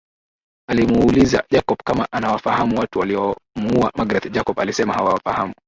Alimuuliza Jacob kama anawafahamu watu waliomuua Magreth Jacob alisema hawafahamu